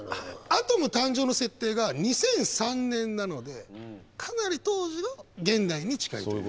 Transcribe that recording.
アトム誕生の設定が２００３年なのでかなり当時の「現代」に近いというね。